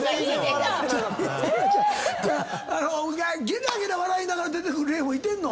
ゲラゲラ笑いながら出てくる霊もいてんの？